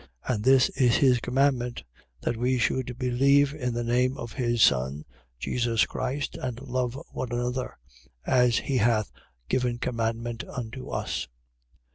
3:23. And this is his commandment: That we should believe in the name of his Son Jesus Christ and love one another, as he hath given commandment unto us.